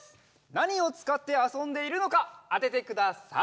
なにをつかってあそんでいるのかあててください。